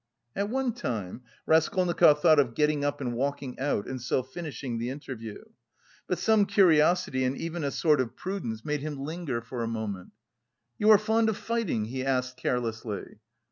At one time Raskolnikov thought of getting up and walking out and so finishing the interview. But some curiosity and even a sort of prudence made him linger for a moment. "You are fond of fighting?" he asked carelessly.